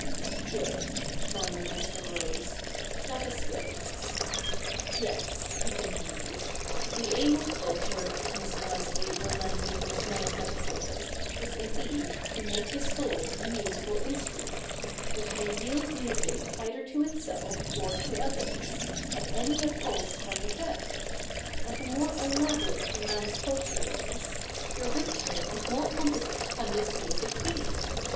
CH. ii] THE NEW REPUBLIC 137 ' Good,' murmured Mr. Rose ; 'that is good I Ves,' he continued, 'the aim of culture, if Mr. Leslie will lend me his nice metaphor, is indeed to make the soul a musical in strument, which may yield music either to itself or to others, at any appulse from without ; and the more elaborate a man's culture is, the richer and more com posite can this music be.